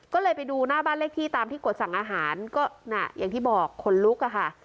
ก็เลยไปดูหน้าบ้านเลขที่ตามที่กดสั่งอาหารก็น่ะอย่างที่บอกคนลุกอะค่ะ